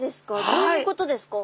どういうことですか？